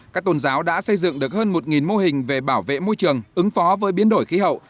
các tôn giáo đã xây dựng được hơn một mô hình về bảo vệ môi trường ứng phó với biến đổi khí hậu